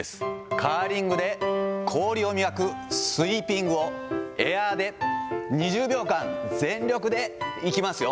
カーリングで氷を磨くスイーピングを、エアーで２０秒間、全力でいきますよ。